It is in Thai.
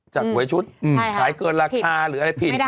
หวยชุดขายเกินราคาหรืออะไรผิด